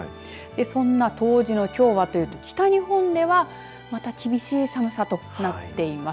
そんな冬至のきょうはというと北日本ではまた厳しい寒さとなっています。